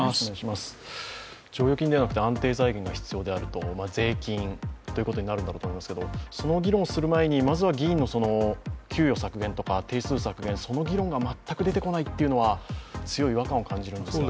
剰余金ではなくて安定財源が必要になると税金ということになるんだろうと思いますがその議論をする前にまずは議論の給与削減とかそこの議論が全く出てこないというのが強い違和感を感じるんですが。